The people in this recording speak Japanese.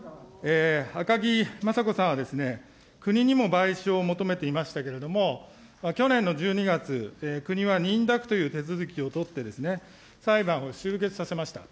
赤木雅子さんはですね、国にも賠償を求めていましたけれども、去年の１２月、国は認諾という手続きをとってですね、裁判を終結させました。